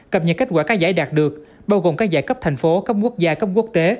cập nhật kết quả các giải đạt được bao gồm các giải cấp thành phố cấp quốc gia cấp quốc tế